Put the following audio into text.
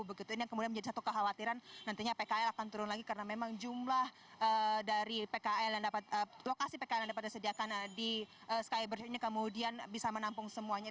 begitu ini yang kemudian menjadi satu kekhawatiran nantinya pkl akan turun lagi karena memang jumlah dari lokasi pkl yang dapat disediakan di skybridge ini kemudian bisa menampung semuanya